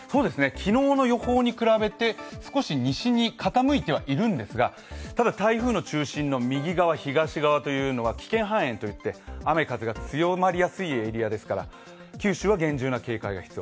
昨日の予報に比べて少し西に傾いてはいるんですが、ただ台風の中心の右側、東側というのは危険半円といって、雨風が強まりやすいエリアですから九州は厳重な警戒が必要。